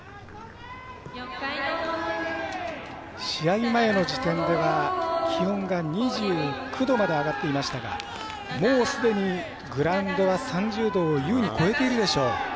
試合前の時点では気温が２９度まで上がっていましたがもう、すでにグラウンドは３０度を優に超えているでしょう。